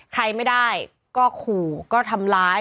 ใครไม่ได้ก็ขู่ก็ทำร้าย